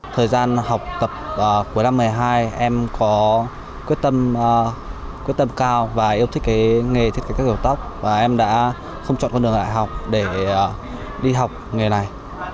thời gian học tập cuối năm hai nghìn một mươi hai em có quyết tâm cao và yêu thích cái nghề thiết kế các kiểu tóc và em đã không chọn con đường đại học để đi học nghề này